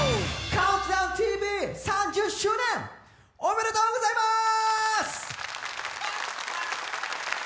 「ＣＤＴＶ」３０周年おめでとうございます！